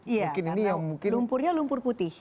iya lumpurnya lumpur putih